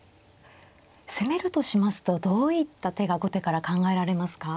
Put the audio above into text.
攻めるとしますとどういった手が後手から考えられますか。